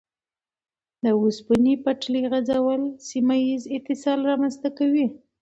د اوسپنې پټلۍ غځول سیمه ییز اتصال رامنځته کوي.